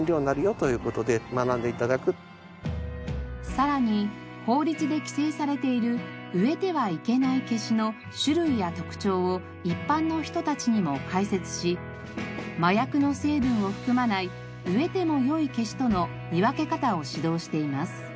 さらに法律で規制されている植えてはいけないケシの種類や特徴を一般の人たちにも解説し麻薬の成分を含まない植えてもよいケシとの見分け方を指導しています。